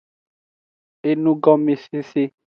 Enugomesese.